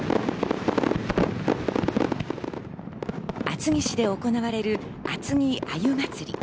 厚木市で行われる、あつぎ鮎まつり。